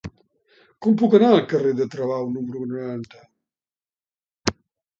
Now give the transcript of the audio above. Com puc anar al carrer de Travau número noranta?